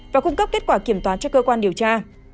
và cung cấp kết quả kiểm toán cho cơ quan điều tra